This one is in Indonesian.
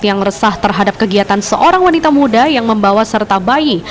yang resah terhadap kegiatan seorang wanita muda yang membawa serta bayi